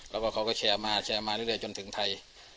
แล้วก็เขาก็แชร์มาแชร์มาเรื่อยจนถึงไทย